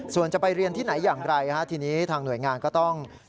ส่วนจะไปเรียนที่ไหนอย่างไรทีนี้ทางหน่วยงานก็ต้อง